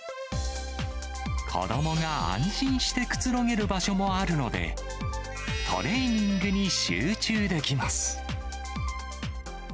子どもが安心してくつろげる場所もあるので、トレーニングに集中できます。